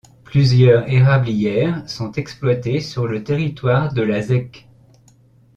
Plusieurs érablières sont exploitées sur le territoire de la zec.